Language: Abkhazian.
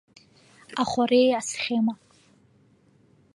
Ахореиа асхема.